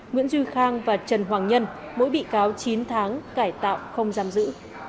nguyễn duy khang và trần hoàng nhân mỗi bị cáo chín tháng cải tạo không giam giữ